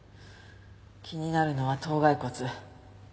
気になるのは頭蓋骨。